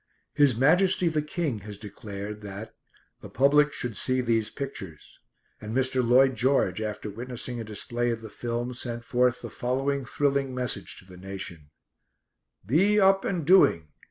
His Majesty the King has declared that "the public should see these pictures"; and Mr. Lloyd George, after witnessing a display of the film, sent forth the following thrilling message to the nation: "Be up and doing!